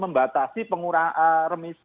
membatasi pengurangan remisi